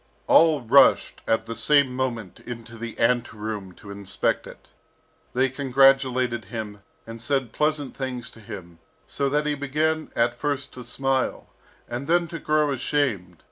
All rushed at the same moment into the ante room to inspect it. They congratulated him, and said pleasant things to him, so that he began at first to smile, and then to grow ashamed.